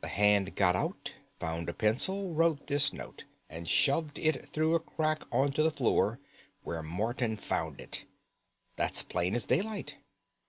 The hand got out, found a pencil, wrote this note, and shoved it through a crack on to the floor where Morton found it. That's plain as daylight."